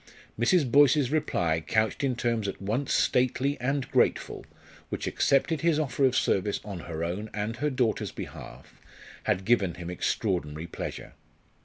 Mrs. Boyce's reply couched in terms at once stately and grateful, which accepted his offer of service on her own and her daughter's behalf, had given him extraordinary pleasure.